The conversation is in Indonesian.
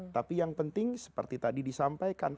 tapi yang penting seperti tadi disampaikan